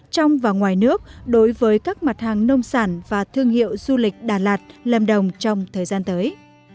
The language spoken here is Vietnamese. trong và ngoài nước đối với các mặt hàng nông sản và thương hiệu du lịch đà lạt lâm đồng trong thời gian tới